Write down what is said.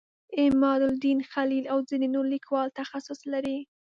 عمادالدین خلیل او ځینې نور لیکوال تخصص لري.